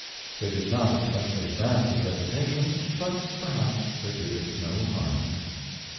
They did not especially advance his reputation, but perhaps they did it no harm.